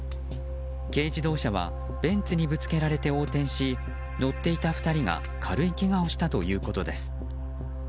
軽自動車はベンツにぶつけられて横転し乗っていた２人が軽いけがをしたということです。